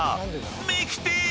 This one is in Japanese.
［ミキティ！